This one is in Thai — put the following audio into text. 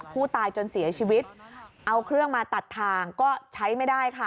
ผู้ตายจนเสียชีวิตเอาเครื่องมาตัดทางก็ใช้ไม่ได้ค่ะ